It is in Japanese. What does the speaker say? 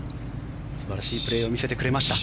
素晴らしいプレーを見せてくれました。